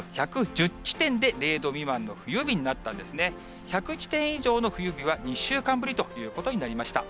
１００地点以上の冬日は、２週間ぶりということになりました。